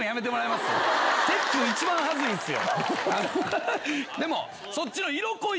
一番ハズいんすよ。